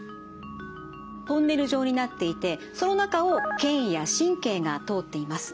トンネル状になっていてその中を腱や神経が通っています。